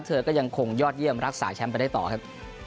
เธอก็ยังคงยอดเยี่ยมรักษาแชมป์ไปได้ต่อครับ